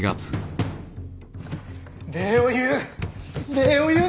礼を言う！